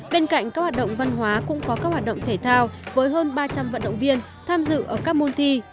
bên cạnh các hoạt động văn hóa cũng có các hoạt động thể thao với hơn ba trăm linh vận động viên tham dự ở các môn thi